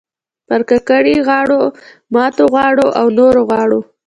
پر کاکړۍ غاړو، ماتو غاړو او نورو غاړو